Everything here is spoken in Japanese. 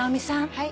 はい。